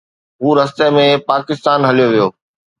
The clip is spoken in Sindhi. هو رستي ۾ پاڪستان هليو ويو.